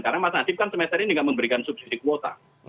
karena mas nasib kan semester ini gak memberikan subsidi kuota